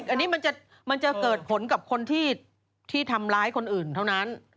อันนี้มันจะเกิดผลกับคนที่ทำร้ายคนอื่นเท่านั้น